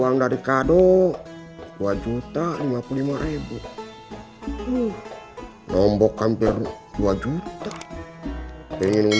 mak mau kabur beneran